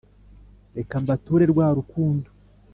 reka mbature rwa rukundo